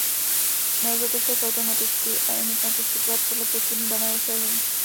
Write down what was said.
Nelze to však automaticky a je nutné postupovat podle pokynů daného serveru.